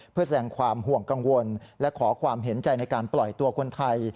เพื่อแสดงความห่วงกังวลและขอความเห็นใจในการปล่อยตัวคนไทย